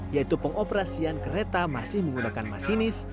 yaitu pengoperasian kereta masih menggunakan masinis